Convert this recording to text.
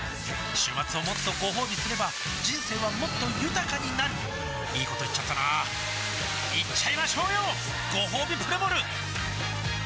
週末をもっとごほうびすれば人生はもっと豊かになるいいこと言っちゃったなーいっちゃいましょうよごほうびプレモル